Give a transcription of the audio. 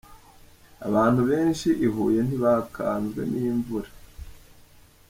Abantu benshi i Huye ntibakanzwe n’imvura.